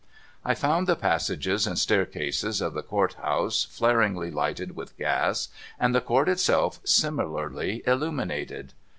I found the passages and staircases of the Court House flaringly lighted with gas, and the Court itself similarly illuminated.